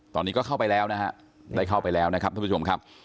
ตอนนี้ก็เข้าไปแล้วนะฮะได้เข้าไปแล้วนะครับท่านผู้ชมครับ